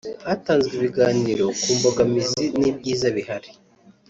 Hatanzwe ibiganiro ku mbogamizi n’ibyiza bihari